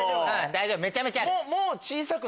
大丈夫めちゃめちゃある。